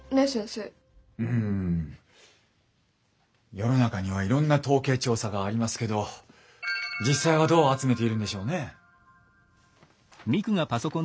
世の中にはいろんな統計調査がありますけど実際はどう集めているんでしょうね？